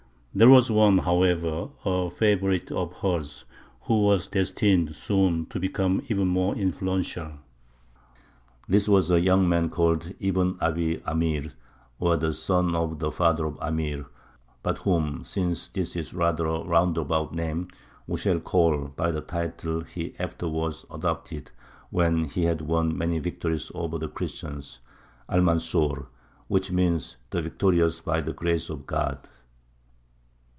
There was one, however, a favourite of hers, who was destined soon to become even more influential. This was a young man called Ibn Aby Amir, or the "Son of the Father of Amir," but whom (since this is rather a roundabout name) we shall call by the title he afterwards adopted, when he had won many victories over the Christians Almanzor, which means "the victorious by the grace of God."